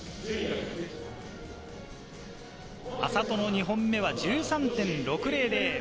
安里の２本目は１３．６００。